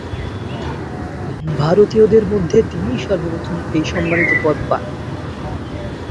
ভারতীয়দের মধ্যে তিনিই সর্বপ্রথম এই সম্মানিত পদ পান।